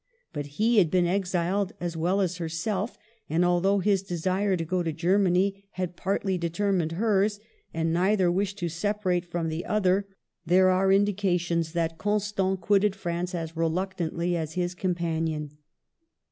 But he had been exiled a6 well as herself ; and although his desire to go to Germany had partly determined hers, and neither wished to separate from the other, there are indications that Constant quitted France as reluctantly as his companion.